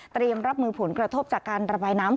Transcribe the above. รับมือผลกระทบจากการระบายน้ำ